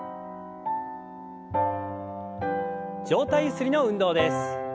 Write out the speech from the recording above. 上体ゆすりの運動です。